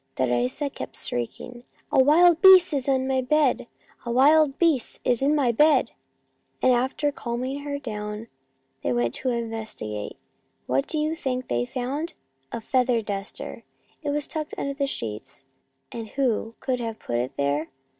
Teresa kept shrieking, Easter in Sevilla 69 c A wild beast is in my bed ! a wild beast is in my bed !' and after calming her down they went to investigate. What do you think they found? A feather duster! It was tucked under the sheets, and who could have put it there